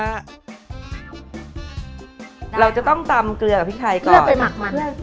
เราจะต้องตำเกลือกับพริกไทยก่อนจ้ะ